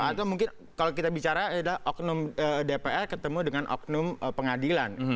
atau mungkin kalau kita bicara adalah oknum dpr ketemu dengan oknum pengadilan